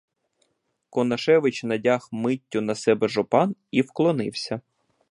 Конашевич надяг миттю на себе жупан і вклонився.